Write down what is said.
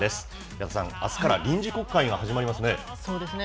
岩田さん、あすから臨時国会が始そうですね。